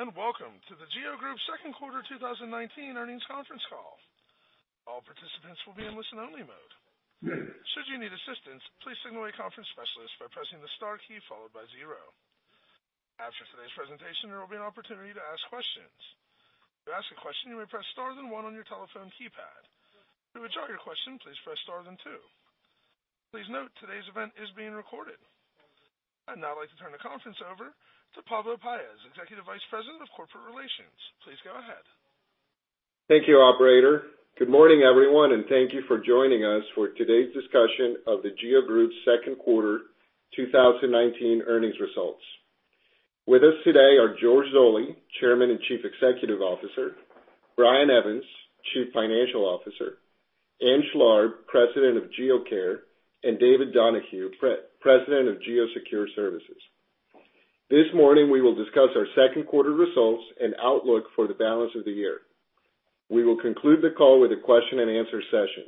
Welcome to The GEO Group's second quarter 2019 earnings conference call. All participants will be in listen-only mode. Should you need assistance, please signal a conference specialist by pressing the star key followed by zero. After today's presentation, there will be an opportunity to ask questions. To ask a question, you may press star then one on your telephone keypad. To withdraw your question, please press star then two. Please note, today's event is being recorded. I'd now like to turn the conference over to Pablo Paez, Executive Vice President of Corporate Relations. Please go ahead. Thank you, operator. Good morning, everyone, and thank you for joining us for today's discussion of The GEO Group's second quarter 2019 earnings results. With us today are George Zoley, Chairman and Chief Executive Officer, Brian Evans, Chief Financial Officer, Ann Schlarb, President of GEO Care, and David Donahue, President of GEO Secure Services. This morning, we will discuss our second quarter results and outlook for the balance of the year. We will conclude the call with a question and answer session.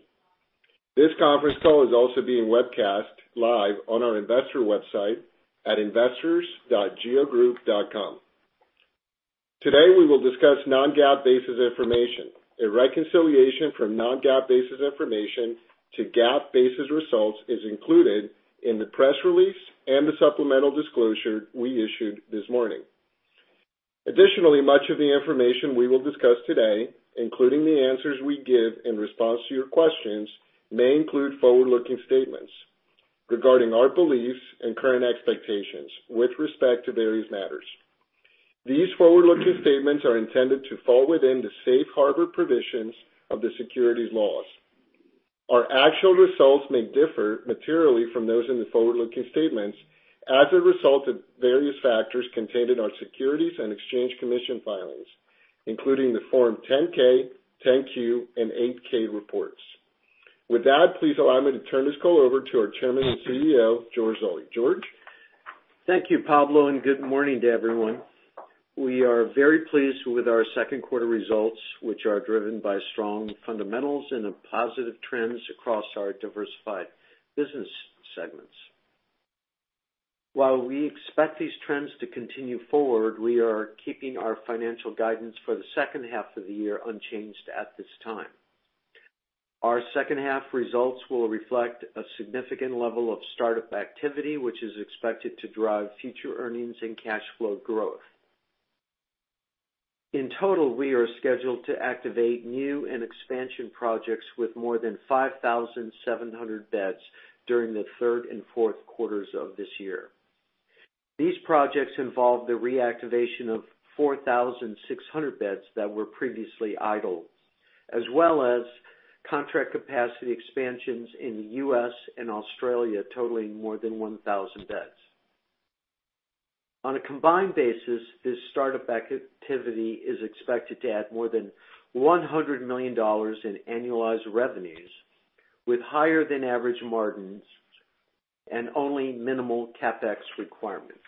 This conference call is also being webcast live on our investor website at investors.geogroup.com. Today, we will discuss non-GAAP basis information. A reconciliation from non-GAAP basis information to GAAP basis results is included in the press release and the supplemental disclosure we issued this morning. Additionally, much of the information we will discuss today, including the answers we give in response to your questions, may include forward-looking statements regarding our beliefs and current expectations with respect to various matters. These forward-looking statements are intended to fall within the safe harbor provisions of the securities laws. Our actual results may differ materially from those in the forward-looking statements as a result of various factors contained in our Securities and Exchange Commission filings, including the Form 10-K, 10-Q, and 8-K reports. With that, please allow me to turn this call over to our Chairman and CEO, George Zoley. George? Thank you, Pablo. Good morning to everyone. We are very pleased with our second quarter results, which are driven by strong fundamentals and positive trends across our diversified business segments. While we expect these trends to continue forward, we are keeping our financial guidance for the second half of the year unchanged at this time. Our second half results will reflect a significant level of start-up activity, which is expected to drive future earnings and cash flow growth. In total, we are scheduled to activate new and expansion projects with more than 5,700 beds during the third and fourth quarters of this year. These projects involve the reactivation of 4,600 beds that were previously idle, as well as contract capacity expansions in the U.S. and Australia totaling more than 1,000 beds. On a combined basis, this start-up activity is expected to add more than $100 million in annualized revenues with higher than average margins and only minimal CapEx requirements.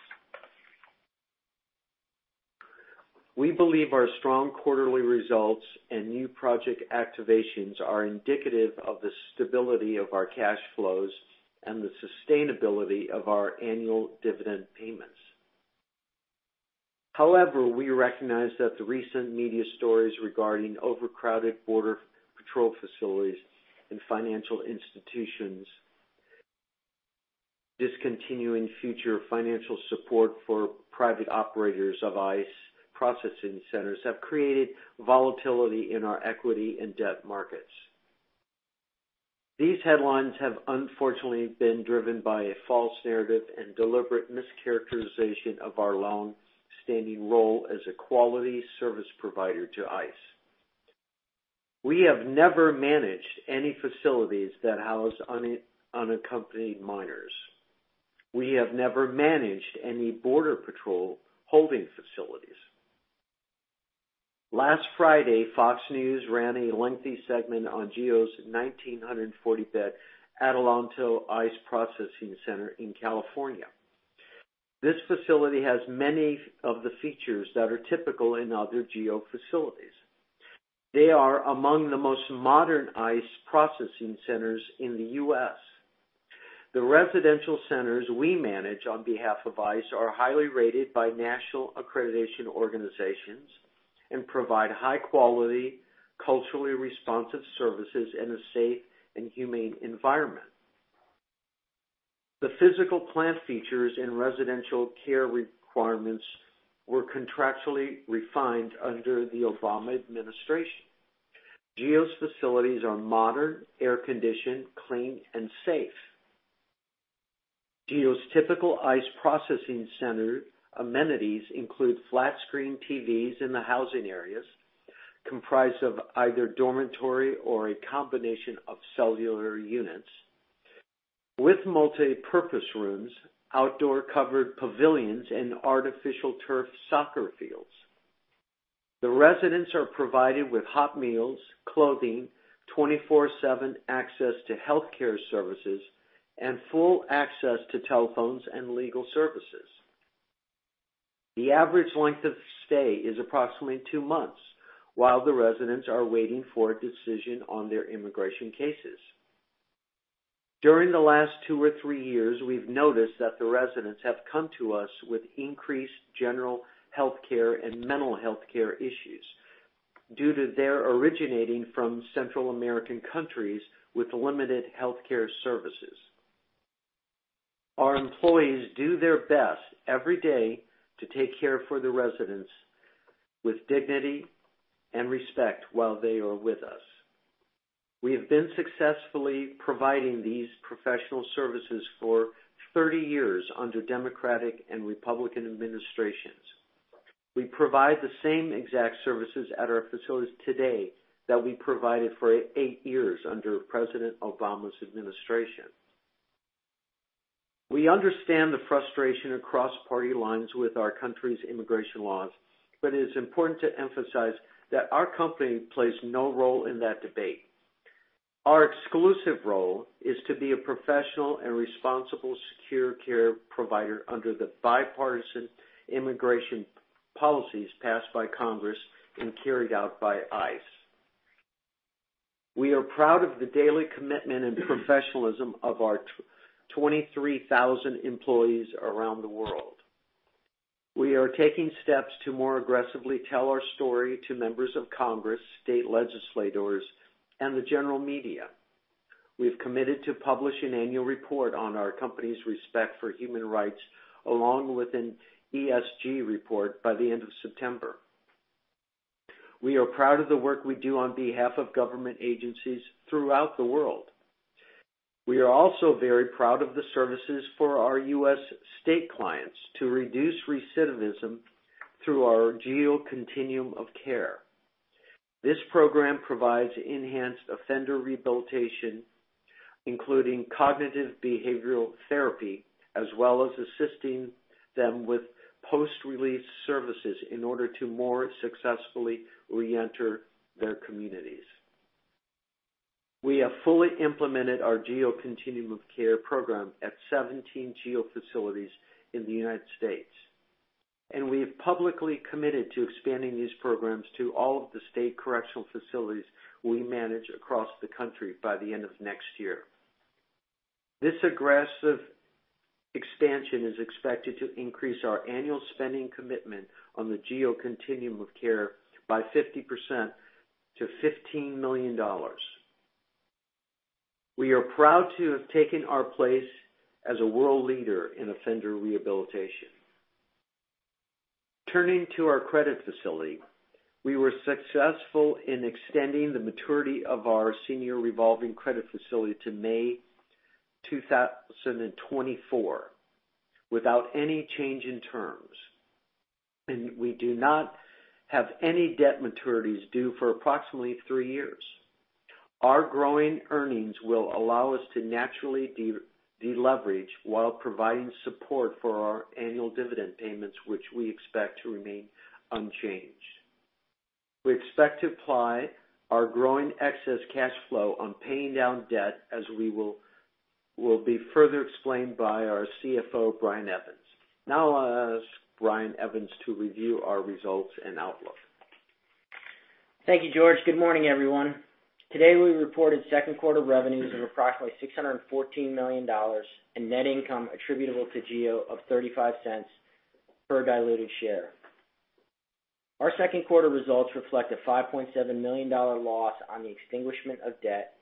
We believe our strong quarterly results and new project activations are indicative of the stability of our cash flows and the sustainability of our annual dividend payments. However, we recognize that the recent media stories regarding overcrowded border patrol facilities and financial institutions discontinuing future financial support for private operators of ICE processing centers have created volatility in our equity and debt markets. These headlines have unfortunately been driven by a false narrative and deliberate mischaracterization of our longstanding role as a quality service provider to ICE. We have never managed any facilities that house unaccompanied minors. We have never managed any border patrol holding facilities. Last Friday, Fox News ran a lengthy segment on GEO's 1,940-bed Adelanto ICE processing center in California. This facility has many of the features that are typical in other GEO facilities. They are among the most modern ICE processing centers in the U.S. The residential centers we manage on behalf of ICE are highly rated by national accreditation organizations and provide high-quality, culturally responsive services in a safe and humane environment. The physical plant features and residential care requirements were contractually refined under the Obama administration. GEO's facilities are modern, air-conditioned, clean, and safe. GEO's typical ICE processing center amenities include flat-screen TVs in the housing areas, comprised of either dormitory or a combination of cellular units with multipurpose rooms, outdoor covered pavilions, and artificial turf soccer fields. The residents are provided with hot meals, clothing, 24/7 access to healthcare services, and full access to telephones and legal services. The average length of stay is approximately two months while the residents are waiting for a decision on their immigration cases. During the last two or three years, we've noticed that the residents have come to us with increased general healthcare and mental healthcare issues due to their originating from Central American countries with limited healthcare services. Our employees do their best every day to take care for the residents with dignity and respect while they are with us. We have been successfully providing these professional services for 30 years under Democratic and Republican administrations. We provide the same exact services at our facilities today that we provided for eight years under President Obama's administration. We understand the frustration across party lines with our country's immigration laws, but it is important to emphasize that our company plays no role in that debate. Our exclusive role is to be a professional and responsible secure care provider under the bipartisan immigration policies passed by Congress and carried out by ICE. We are proud of the daily commitment and professionalism of our 23,000 employees around the world. We are taking steps to more aggressively tell our story to members of Congress, state legislators, and the general media. We've committed to publish an annual report on our company's respect for human rights, along with an ESG report by the end of September. We are proud of the work we do on behalf of government agencies throughout the world. We are also very proud of the services for our U.S. state clients to reduce recidivism through our GEO Continuum of Care. This program provides enhanced offender rehabilitation, including cognitive behavioral treatment, as well as assisting them with post-release services in order to more successfully reenter their communities. We have fully implemented our GEO Continuum of Care program at 17 GEO facilities in the United States, and we have publicly committed to expanding these programs to all of the state correctional facilities we manage across the country by the end of next year. This aggressive expansion is expected to increase our annual spending commitment on the GEO Continuum of Care by 50% to $15 million. Turning to our credit facility, we were successful in extending the maturity of our senior revolving credit facility to May 2024 without any change in terms, and we do not have any debt maturities due for approximately three years. Our growing earnings will allow us to naturally deleverage while providing support for our annual dividend payments, which we expect to remain unchanged. We expect to apply our growing excess cash flow on paying down debt, as will be further explained by our CFO, Brian Evans. Now, Brian Evans to review our results and outlook. Thank you, George. Good morning, everyone. Today, we reported second quarter revenues of approximately $614 million and net income attributable to GEO of $0.35 per diluted share. Our second quarter results reflect a $5.7 million loss on the extinguishment of debt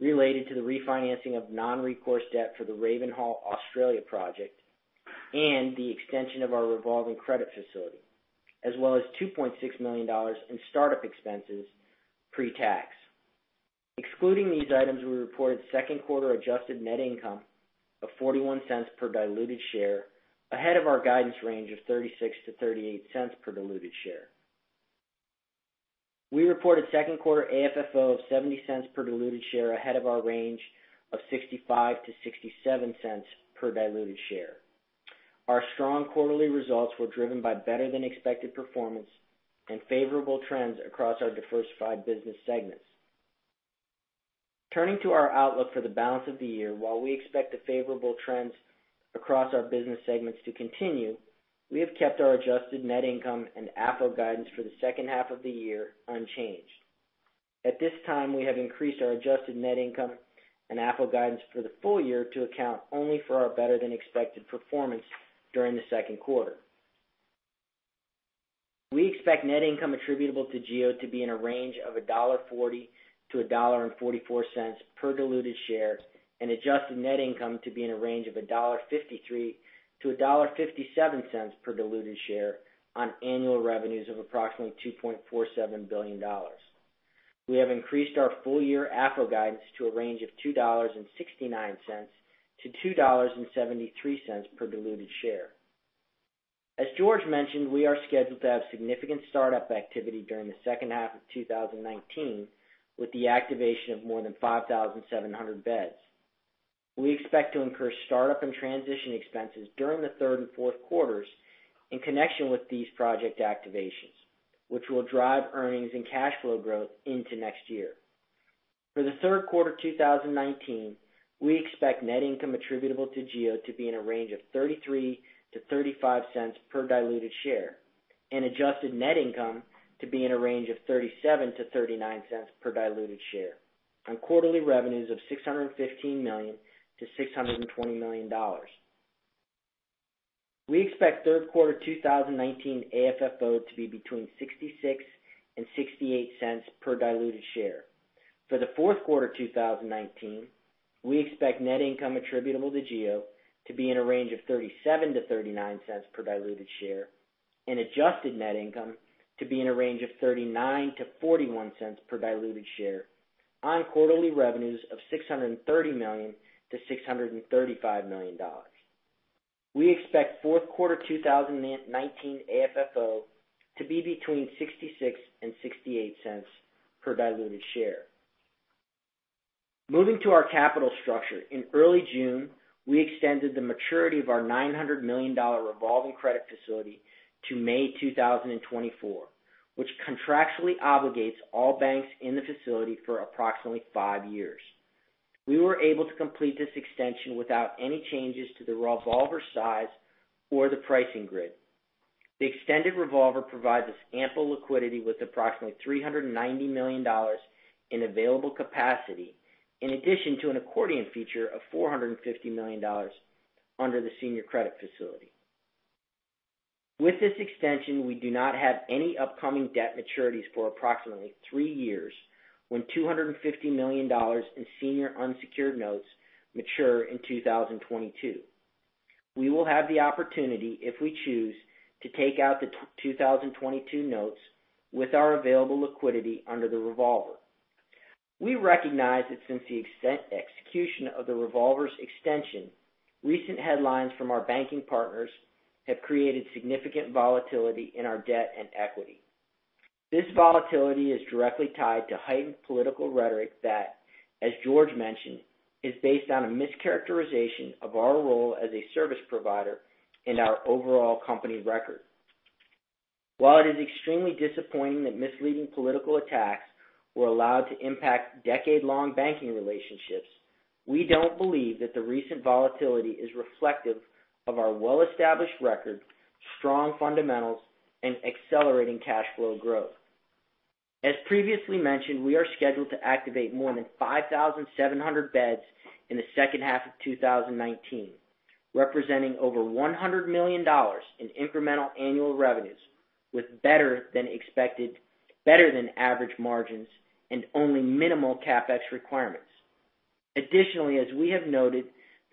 related to the refinancing of non-recourse debt for the Ravenhall Australia project and the extension of our revolving credit facility, as well as $2.6 million in start-up expenses pre-tax. Excluding these items, we reported second quarter adjusted net income of $0.41 per diluted share, ahead of our guidance range of $0.36-$0.38 per diluted share. We reported second quarter AFFO of $0.70 per diluted share ahead of our range of $0.65-$0.67 per diluted share. Our strong quarterly results were driven by better than expected performance and favorable trends across our diversified business segments. Turning to our outlook for the balance of the year, while we expect the favorable trends across our business segments to continue, we have kept our adjusted net income and AFFO guidance for the second half of the year unchanged. At this time, we have increased our adjusted net income and AFFO guidance for the full year to account only for our better than expected performance during the second quarter. We expect net income attributable to GEO to be in a range of $1.40-$1.44 per diluted share, and adjusted net income to be in a range of $1.53-$1.57 per diluted share on annual revenues of approximately $2.47 billion. We have increased our full year AFFO guidance to a range of $2.69-$2.73 per diluted share. As George mentioned, we are scheduled to have significant start-up activity during the second half of 2019 with the activation of more than 5,700 beds. We expect to incur start-up and transition expenses during the third and fourth quarters in connection with these project activations, which will drive earnings and cash flow growth into next year. For the third quarter 2019, we expect net income attributable to GEO to be in a range of $0.33-$0.35 per diluted share. Adjusted net income to be in a range of $0.37-$0.39 per diluted share on quarterly revenues of $615 million-$620 million. We expect third quarter 2019 AFFO to be between $0.66 and $0.68 per diluted share. For the fourth quarter 2019, we expect net income attributable to GEO to be in a range of $0.37-$0.39 per diluted share, and adjusted net income to be in a range of $0.39-$0.41 per diluted share on quarterly revenues of $630 million-$635 million. We expect fourth quarter 2019 AFFO to be between $0.66 and $0.68 per diluted share. Moving to our capital structure, in early June, we extended the maturity of our $900 million revolving credit facility to May 2024, which contractually obligates all banks in the facility for approximately five years. We were able to complete this extension without any changes to the revolver size or the pricing grid. The extended revolver provides us ample liquidity with approximately $390 million in available capacity, in addition to an accordion feature of $450 million under the senior credit facility. With this extension, we do not have any upcoming debt maturities for approximately three years, when $250 million in senior unsecured notes mature in 2022. We will have the opportunity, if we choose, to take out the 2022 notes with our available liquidity under the revolver. We recognize that since the execution of the revolver's extension, recent headlines from our banking partners have created significant volatility in our debt and equity. This volatility is directly tied to heightened political rhetoric that, as George mentioned, is based on a mischaracterization of our role as a service provider and our overall company record. While it is extremely disappointing that misleading political attacks were allowed to impact decade-long banking relationships, we don't believe that the recent volatility is reflective of our well-established record, strong fundamentals, and accelerating cash flow growth. As previously mentioned, we are scheduled to activate more than 5,700 beds in the second half of 2019, representing over $100 million in incremental annual revenues, with better than average margins and only minimal CapEx requirements. Additionally, as we have noted,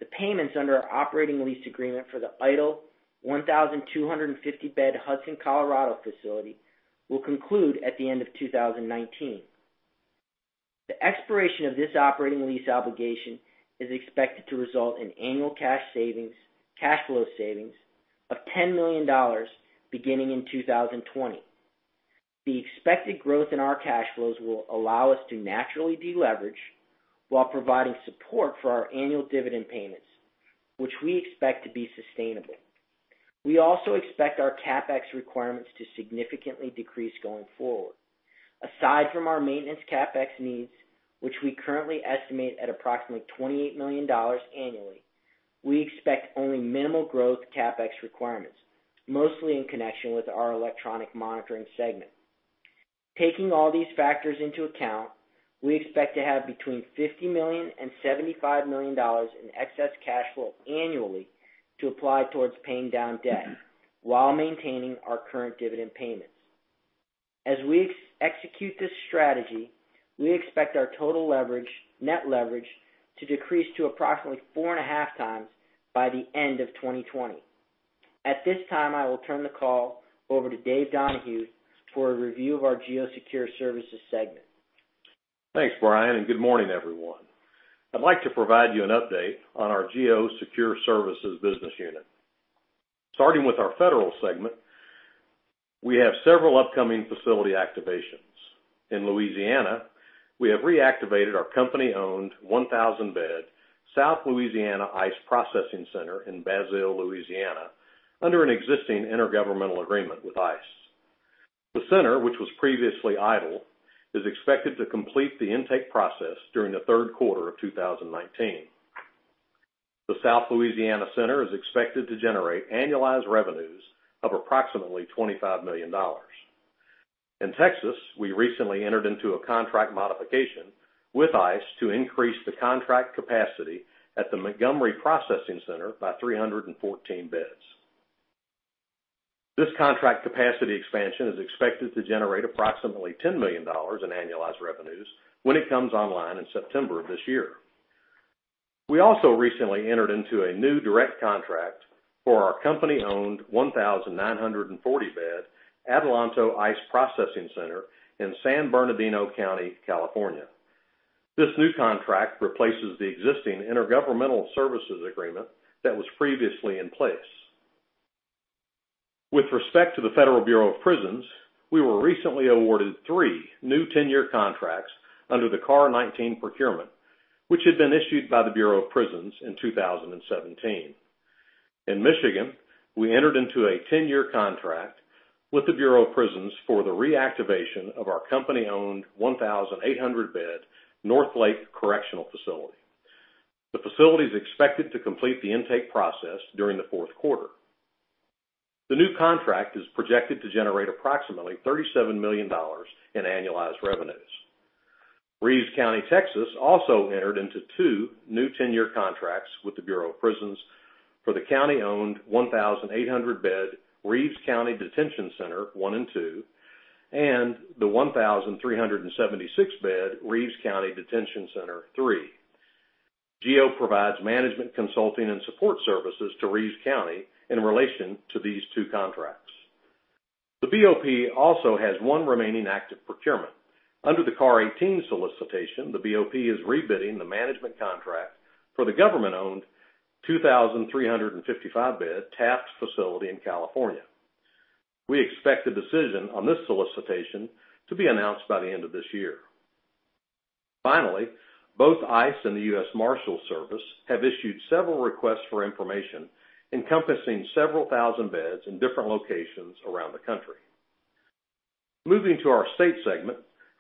the payments under our operating lease agreement for the idle 1,250-bed Hudson, Colorado facility will conclude at the end of 2019. The expiration of this operating lease obligation is expected to result in annual cash flow savings of $10 million beginning in 2020. The expected growth in our cash flows will allow us to naturally deleverage while providing support for our annual dividend payments, which we expect to be sustainable. We also expect our CapEx requirements to significantly decrease going forward. Aside from our maintenance CapEx needs, which we currently estimate at approximately $28 million annually, we expect only minimal growth CapEx requirements, mostly in connection with our electronic monitoring segment. Taking all these factors into account, we expect to have between $50 million and $75 million in excess cash flow annually to apply towards paying down debt while maintaining our current dividend payments. As we execute this strategy, we expect our total net leverage to decrease to approximately 4.5 times by the end of 2020. At this time, I will turn the call over to David Donahue for a review of our GEO Secure Services segment. Thanks, Brian. Good morning, everyone. I'd like to provide you an update on our GEO Secure Services business unit. Starting with our federal segment, we have several upcoming facility activations. In Louisiana, we have reactivated our company-owned 1,000-bed South Louisiana ICE Processing Center in Basile, Louisiana under an existing intergovernmental agreement with ICE. The center, which was previously idle, is expected to complete the intake process during the third quarter of 2019. The South Louisiana Center is expected to generate annualized revenues of approximately $25 million. In Texas, we recently entered into a contract modification with ICE to increase the contract capacity at the Montgomery Processing Center by 314 beds. This contract capacity expansion is expected to generate approximately $10 million in annualized revenues when it comes online in September of this year. We also recently entered into a new direct contract for our company-owned 1,940-bed Adelanto ICE Processing Center in San Bernardino County, California. This new contract replaces the existing intergovernmental services agreement that was previously in place. With respect to the Federal Bureau of Prisons, we were recently awarded three new 10-year contracts under the CAR 19 procurement, which had been issued by the Bureau of Prisons in 2017. In Michigan, we entered into a 10-year contract with the Bureau of Prisons for the reactivation of our company-owned 1,800-bed North Lake Correctional Facility. The facility is expected to complete the intake process during the fourth quarter. The new contract is projected to generate approximately $37 million in annualized revenues. Reeves County, Texas, also entered into 2 new 10-year contracts with the Bureau of Prisons for the county-owned 1,800-bed Reeves County Detention Center 1 and 2, and the 1,376-bed Reeves County Detention Center 3. GEO provides management consulting and support services to Reeves County in relation to these two contracts. The BOP also has one remaining active procurement. Under the CAR 18 solicitation, the BOP is rebidding the management contract for the government-owned 2,355-bed Taft Facility in California. We expect a decision on this solicitation to be announced by the end of this year. Both ICE and the US Marshals Service have issued several requests for information encompassing several thousand beds in different locations around the country. Moving to our state segment,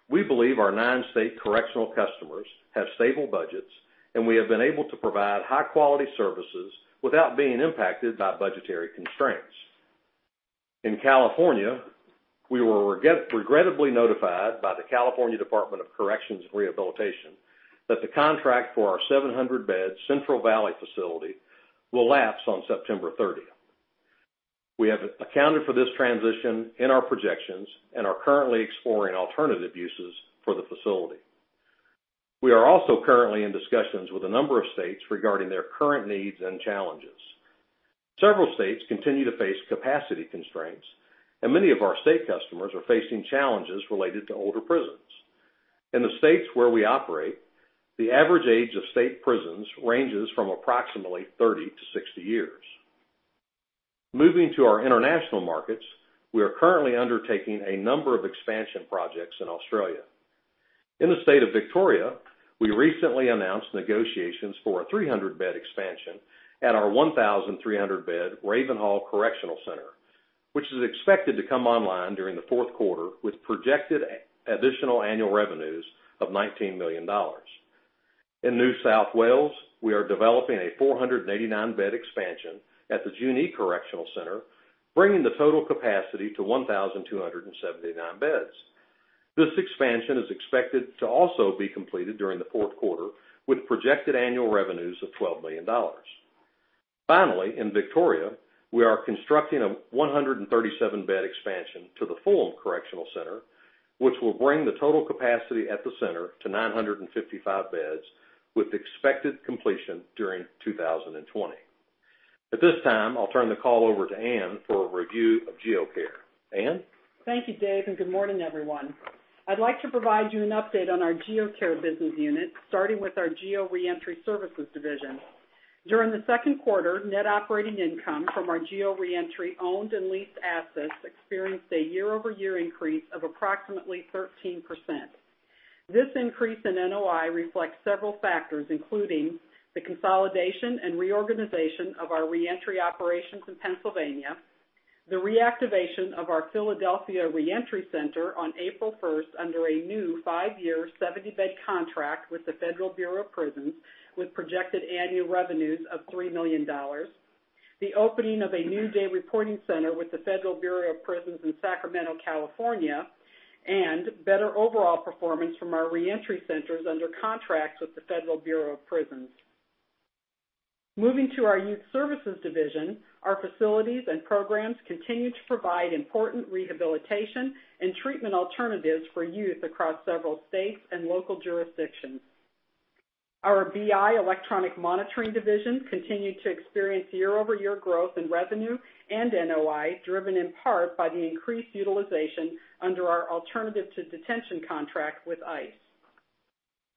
we believe our nine state correctional customers have stable budgets, and we have been able to provide high-quality services without being impacted by budgetary constraints. In California, we were regrettably notified by the California Department of Corrections and Rehabilitation that the contract for our 700-bed Central Valley facility will lapse on September 30th. We have accounted for this transition in our projections and are currently exploring alternative uses for the facility. We are also currently in discussions with a number of states regarding their current needs and challenges. Several states continue to face capacity constraints, and many of our state customers are facing challenges related to older prisons. In the states where we operate, the average age of state prisons ranges from approximately 30 to 60 years. Moving to our international markets, we are currently undertaking a number of expansion projects in Australia. In the state of Victoria, we recently announced negotiations for a 300-bed expansion at our 1,300-bed Ravenhall Correctional Center, which is expected to come online during the fourth quarter with projected additional annual revenues of $19 million. In New South Wales, we are developing a 489-bed expansion at the Junee Correctional Center, bringing the total capacity to 1,279 beds. This expansion is expected to also be completed during the fourth quarter with projected annual revenues of $12 million. Finally, in Victoria, we are constructing a 137-bed expansion to the Fulham Correctional Center, which will bring the total capacity at the center to 955 beds with expected completion during 2020. At this time, I'll turn the call over to Ann for a review of GEO Care. Ann? Thank you, Dave, and good morning, everyone. I'd like to provide you an update on our GEO Care business unit, starting with our GEO Reentry Services division. During the second quarter, net operating income from our GEO Reentry owned and leased assets experienced a year-over-year increase of approximately 13%. This increase in NOI reflects several factors, including the consolidation and reorganization of our reentry operations in Pennsylvania, the reactivation of our Philadelphia Reentry Center on April first under a new five-year, 70-bed contract with the Federal Bureau of Prisons, with projected annual revenues of $3 million, the opening of a new day reporting center with the Federal Bureau of Prisons in Sacramento, California, and better overall performance from our reentry centers under contracts with the Federal Bureau of Prisons. Moving to our youth services division, our facilities and programs continue to provide important rehabilitation and treatment alternatives for youth across several states and local jurisdictions. Our BI Electronic Monitoring division continued to experience year-over-year growth in revenue and NOI, driven in part by the increased utilization under our alternative to detention contract with ICE.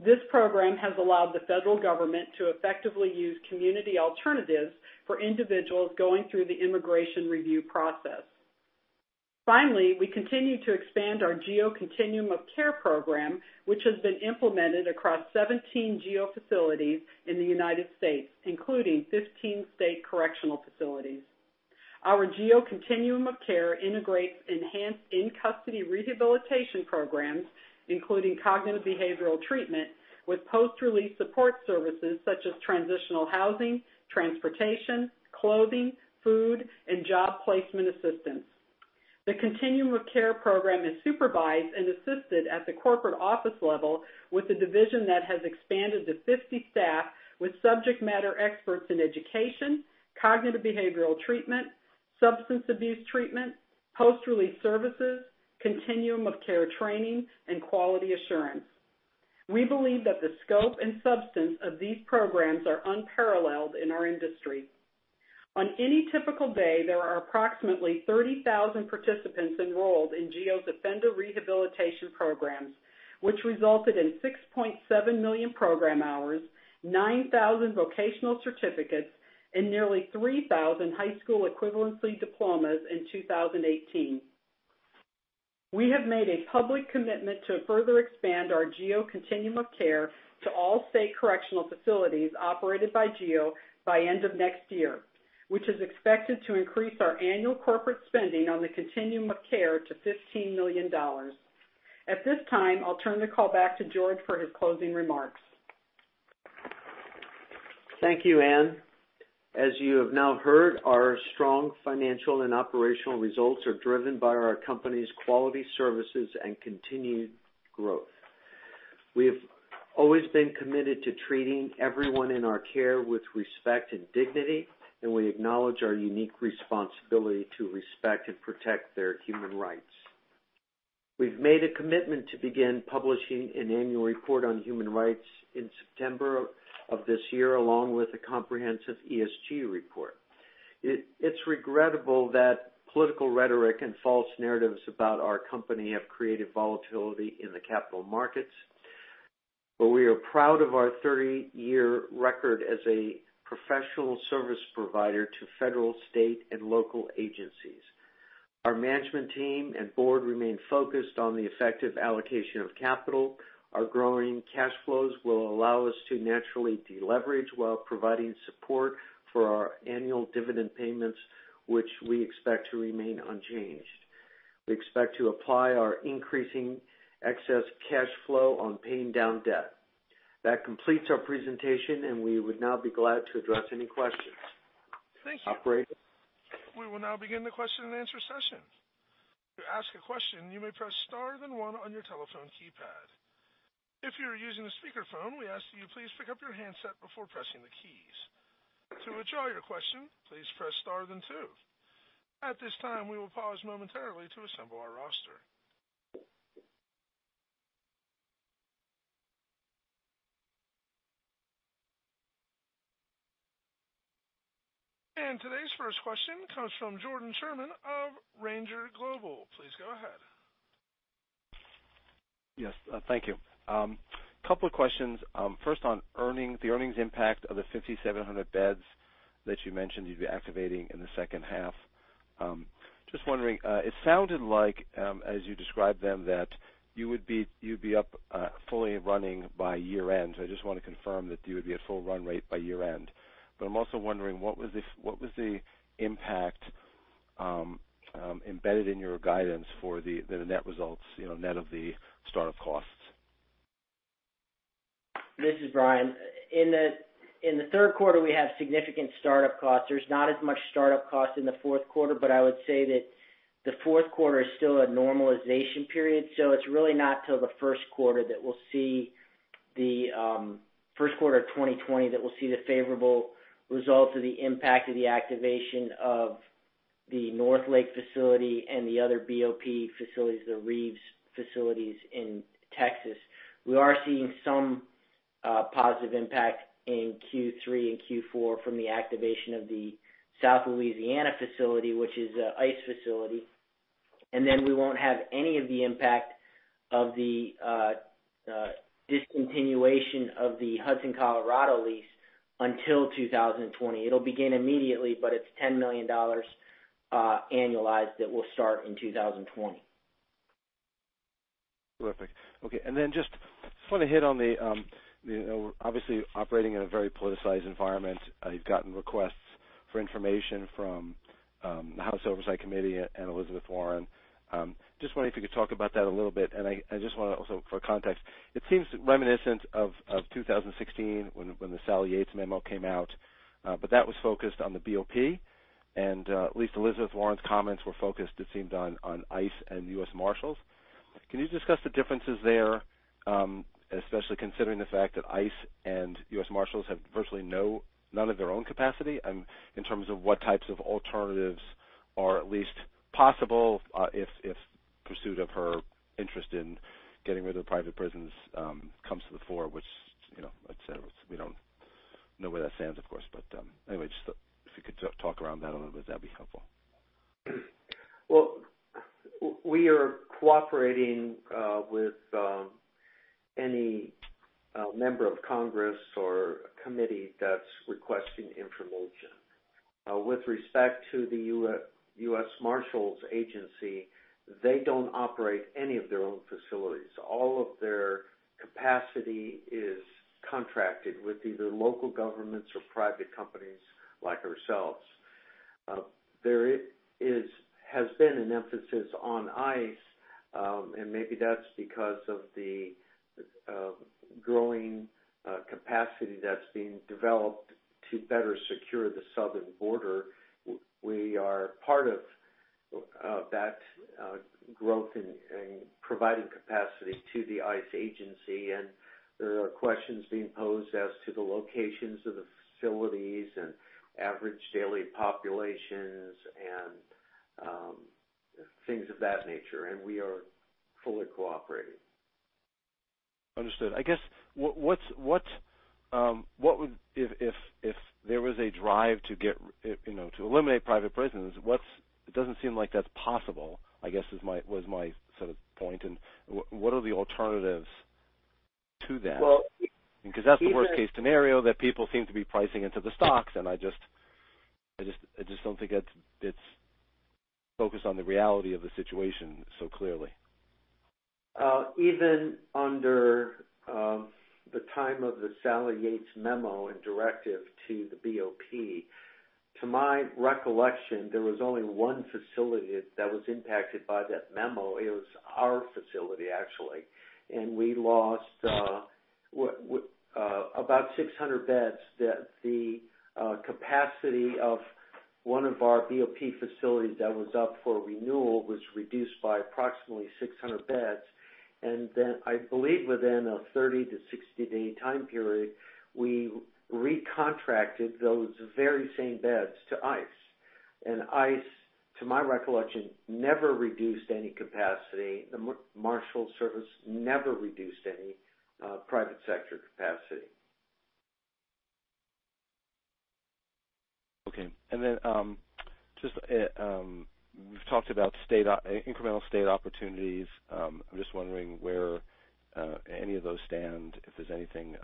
This program has allowed the federal government to effectively use community alternatives for individuals going through the immigration review process. Finally, we continue to expand our GEO Continuum of Care program, which has been implemented across 17 GEO facilities in the U.S., including 15 state correctional facilities. Our GEO Continuum of Care integrates enhanced in-custody rehabilitation programs, including cognitive behavioral treatment, with post-release support services such as transitional housing, transportation, clothing, food, and job placement assistance. The GEO Continuum of Care program is supervised and assisted at the corporate office level with a division that has expanded to 50 staff with subject matter experts in education, cognitive behavioral treatment, substance abuse treatment, post-release services, GEO Continuum of Care training, and quality assurance. We believe that the scope and substance of these programs are unparalleled in our industry. On any typical day, there are approximately 30,000 participants enrolled in GEO's offender rehabilitation programs, which resulted in 6.7 million program hours, 9,000 vocational certificates, and nearly 3,000 high school equivalency diplomas in 2018. We have made a public commitment to further expand our GEO Continuum of Care to all state correctional facilities operated by GEO by end of next year, which is expected to increase our annual corporate spending on the GEO Continuum of Care to $15 million. At this time, I'll turn the call back to George for his closing remarks. Thank you, Ann. As you have now heard, our strong financial and operational results are driven by our company's quality services and continued growth. We have always been committed to treating everyone in our care with respect and dignity, and we acknowledge our unique responsibility to respect and protect their human rights. We've made a commitment to begin publishing an annual report on human rights in September of this year, along with a comprehensive ESG report. It's regrettable that political rhetoric and false narratives about our company have created volatility in the capital markets, but we are proud of our 30-year record as a professional service provider to federal, state, and local agencies. Our management team and board remain focused on the effective allocation of capital. Our growing cash flows will allow us to naturally deleverage while providing support for our annual dividend payments, which we expect to remain unchanged. We expect to apply our increasing excess cash flow on paying down debt. That completes our presentation. We would now be glad to address any questions. Thank you. Operator? We will now begin the question and answer session. To ask a question, you may press star, then one on your telephone keypad. If you're using a speakerphone, we ask that you please pick up your handset before pressing the keys. To withdraw your question, please press star, then two. At this time, we will pause momentarily to assemble our roster. Today's first question comes from Jordan Sherman of Ranger Global Real Estate Advisors. Please go ahead. Yes. Thank you. Couple of questions. On the earnings impact of the 5,700 beds that you mentioned you'd be activating in the second half. Just wondering, it sounded like, as you described them, that you'd be up fully running by year end. I just want to confirm that you would be at full run rate by year end. I'm also wondering, what was the impact embedded in your guidance for the net results, net of the startup costs? This is Brian. In the third quarter, we have significant startup costs. There's not as much startup cost in the fourth quarter, but I would say that the fourth quarter is still a normalization period, so it's really not till the first quarter of 2020 that we'll see the favorable results of the impact of the activation of the North Lake facility and the other BOP facilities, the Reeves facilities in Texas. We are seeing some positive impact in Q3 and Q4 from the activation of the South Louisiana facility, which is an ICE facility. We won't have any of the impact of the discontinuation of the Hudson, Colorado lease until 2020. It'll begin immediately, but it's $10 million annualized that will start in 2020. Terrific. Okay. Then just want to hit on the, obviously operating in a very politicized environment. You've gotten requests for information from the House Oversight Committee and Elizabeth Warren. Just wondering if you could talk about that a little bit. I just want to also, for context, it seems reminiscent of 2016 when the Sally Yates memo came out, but that was focused on the BOP, and at least Elizabeth Warren's comments were focused, it seemed, on ICE and U.S. Marshals. Can you discuss the differences there, especially considering the fact that ICE and U.S. Marshals have virtually none of their own capacity, in terms of what types of alternatives are at least possible, if pursuit of her interest in getting rid of private prisons comes to the fore, which we don't know where that stands, of course. Anyway, if you could talk around that a little bit, that'd be helpful. We are cooperating with any member of Congress or committee that's requesting information. With respect to the U.S. Marshals Service, they don't operate any of their own facilities. All of their capacity is contracted with either local governments or private companies like ourselves. There has been an emphasis on ICE, and maybe that's because of the growing capacity that's being developed to better secure the southern border. We are part of that growth in providing capacity to the ICE, and there are questions being posed as to the locations of the facilities and average daily populations and things of that nature, and we are fully cooperating. Understood. I guess, if there was a drive to eliminate private prisons, it doesn't seem like that's possible, I guess was my sort of point. What are the alternatives to that? Well, That's the worst case scenario that people seem to be pricing into the stocks, and I just don't think it's focused on the reality of the situation so clearly. Even under the time of the Sally Yates memo and directive to the BOP. To my recollection, there was only one facility that was impacted by that memo. It was our facility, actually, and we lost about 600 beds that the capacity of one of our BOP facilities that was up for renewal was reduced by approximately 600 beds. Then, I believe within a 30- to 60-day time period, we recontracted those very same beds to ICE. ICE, to my recollection, never reduced any capacity. The Marshals Service never reduced any private sector capacity. Okay. We've talked about incremental state opportunities. I'm just wondering where any of those stand, if there's anything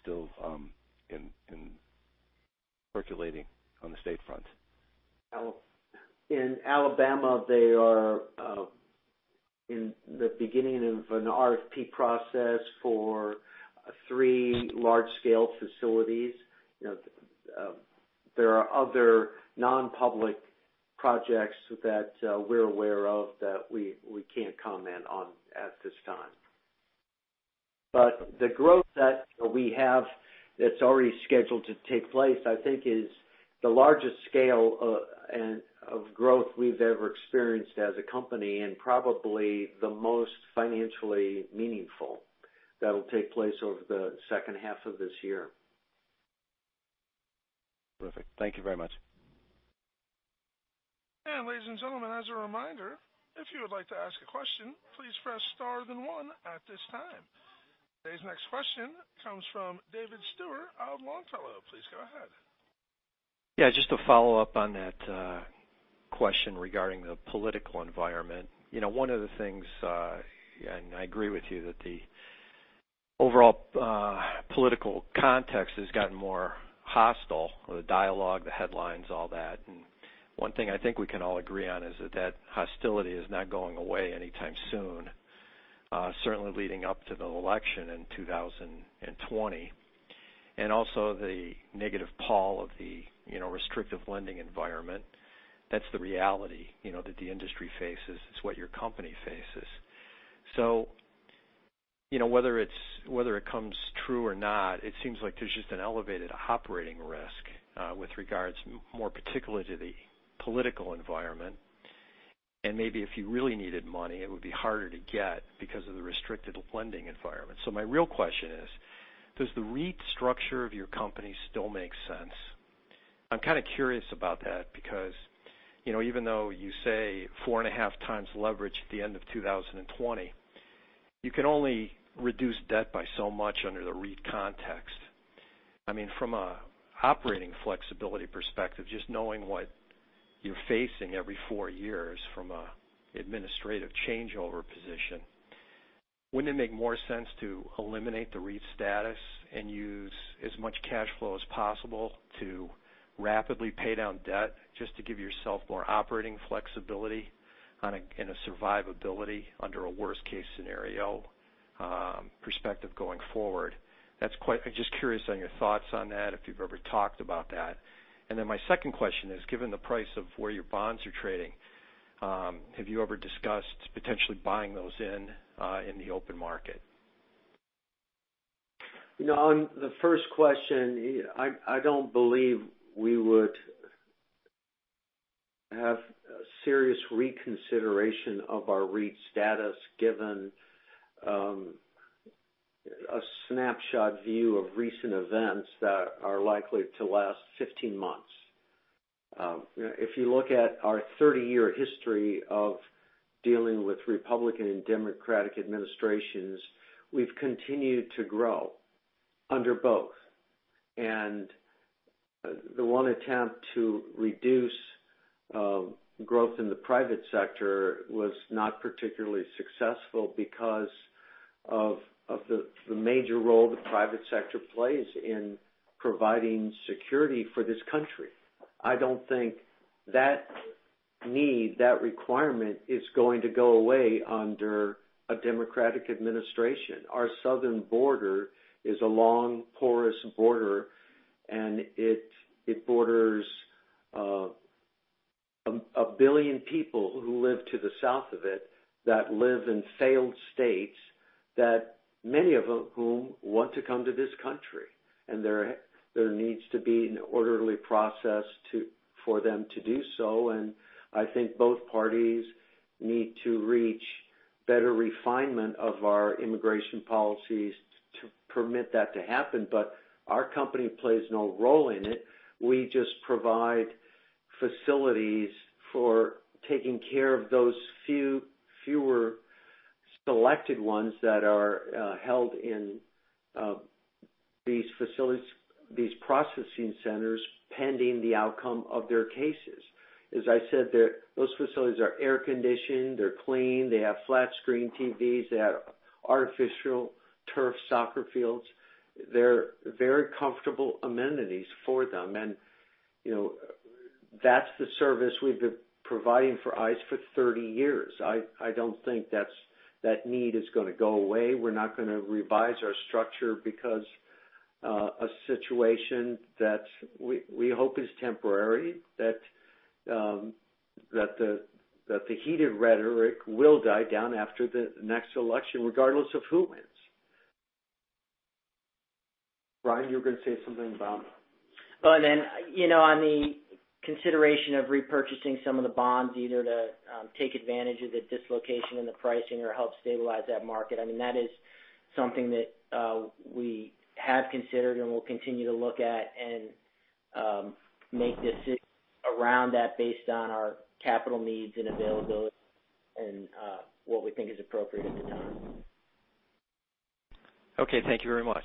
still circulating on the state front. In Alabama, they are in the beginning of an RFP process for three large-scale facilities. There are other non-public projects that we're aware of that we can't comment on at this time. The growth that we have that's already scheduled to take place, I think, is the largest scale of growth we've ever experienced as a company, and probably the most financially meaningful that'll take place over the second half of this year. Perfect. Thank you very much. Ladies and gentlemen, as a reminder, if you would like to ask a question, please press star then one at this time. Today's next question comes from David Stuehr out in Longfellow Investment Management. Please go ahead. Just to follow up on that question regarding the political environment. One of the things, I agree with you, that the overall political context has gotten more hostile with the dialogue, the headlines, all that. One thing I think we can all agree on is that that hostility is not going away anytime soon, certainly leading up to the election in 2020. Also the negative pall of the restrictive lending environment. That's the reality that the industry faces. It's what your company faces. Whether it comes true or not, it seems like there's just an elevated operating risk with regards more particularly to the political environment. Maybe if you really needed money, it would be harder to get because of the restricted lending environment. My real question is, does the REIT structure of your company still make sense? I'm kind of curious about that because even though you say four and a half times leverage at the end of 2020, you can only reduce debt by so much under the REIT context. From an operating flexibility perspective, just knowing what you're facing every four years from an administrative changeover position, wouldn't it make more sense to eliminate the REIT status and use as much cash flow as possible to rapidly pay down debt, just to give yourself more operating flexibility and a survivability under a worst-case scenario perspective going forward? I'm just curious on your thoughts on that, if you've ever talked about that. My second question is, given the price of where your bonds are trading, have you ever discussed potentially buying those in the open market? On the first question, I don't believe we would have a serious reconsideration of our REIT status given a snapshot view of recent events that are likely to last 15 months. If you look at our 30-year history of dealing with Republican and Democratic administrations, we've continued to grow under both. The one attempt to reduce growth in the private sector was not particularly successful because of the major role the private sector plays in providing security for this country. I don't think that need, that requirement, is going to go away under a Democratic administration. Our southern border is a long, porous border, and it borders 1 billion people who live to the south of it that live in failed states, that many of whom want to come to this country. There needs to be an orderly process for them to do so. I think both parties need to reach better refinement of our immigration policies to permit that to happen. Our company plays no role in it. We just provide facilities for taking care of those fewer selected ones that are held in these facilities, these processing centers, pending the outcome of their cases. As I said, those facilities are air-conditioned. They're clean. They have flat-screen TVs. They have artificial turf soccer fields. They're very comfortable amenities for them. That's the service we've been providing for ICE for 30 years. I don't think that need is going to go away. We're not going to revise our structure because a situation that we hope is temporary, that the heated rhetoric will die down after the next election, regardless of who wins. Brian, you were going to say something about On the consideration of repurchasing some of the bonds, either to take advantage of the dislocation in the pricing or help stabilize that market, that is something that we have considered and will continue to look at and make decisions around that based on our capital needs and availability and what we think is appropriate at the time. Okay. Thank you very much.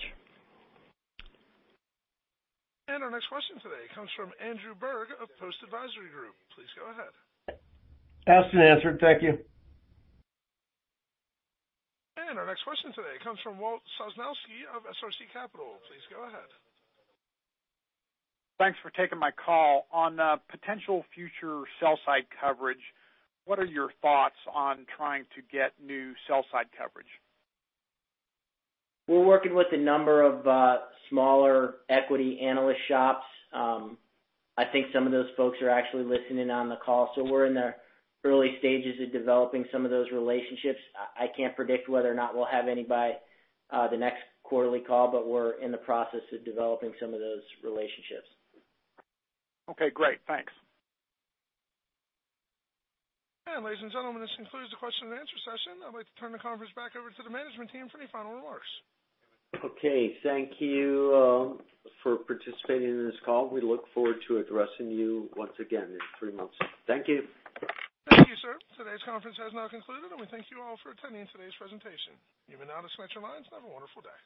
Our next question today comes from Andrew Berg of Post Advisory Group. Please go ahead. Asked and answered. Thank you. Our next question today comes from Walt Sosnowski of SRC Capital Management. Please go ahead. Thanks for taking my call. On potential future sell-side coverage, what are your thoughts on trying to get new sell-side coverage? We're working with a number of smaller equity analyst shops. I think some of those folks are actually listening on the call. We're in the early stages of developing some of those relationships. I can't predict whether or not we'll have any by the next quarterly call, but we're in the process of developing some of those relationships. Okay, great. Thanks. Ladies and gentlemen, this concludes the question and answer session. I'd like to turn the conference back over to the management team for any final remarks. Okay. Thank you for participating in this call. We look forward to addressing you once again in three months. Thank you. Thank you, sir. Today's conference has now concluded, and we thank you all for attending today's presentation. You may now disconnect your lines and have a wonderful day.